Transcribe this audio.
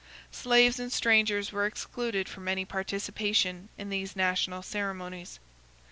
Slaves and strangers were excluded from any participation in these national ceremonies.